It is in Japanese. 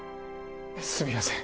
すみません